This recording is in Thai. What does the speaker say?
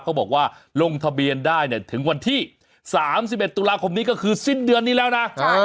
เขาบอกว่าลงทะเบียนได้ถึงวันที่๓๑ตุลาคมนี้ก็คือสิ้นเดือนนี้แล้วนะ